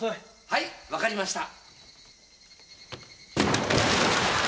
はい分かりました。